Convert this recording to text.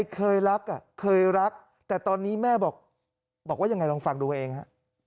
เคยรักเคยรักแต่ตอนนี้แม่บอกว่ายังไงลองฟังดูเองฮะ